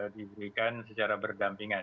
diberikan secara bergampingan